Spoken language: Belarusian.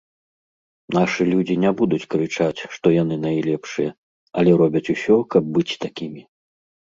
Нашы людзі не будуць крычаць, што яны найлепшыя, але робяць усё, каб быць такімі.